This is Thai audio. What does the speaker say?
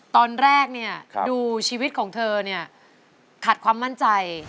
ตอนแรกเนี่ยดูชีวิตของเธอเนี่ยขาดความมั่นใจ